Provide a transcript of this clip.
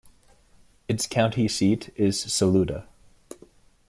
Its county seat is Saluda.